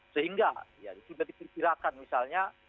sehingga ya sudah diperkirakan misalnya